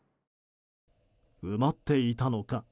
埋まっていたのか？